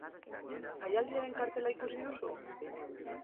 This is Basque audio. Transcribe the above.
Jaialdiaren kartela ikusi duzu?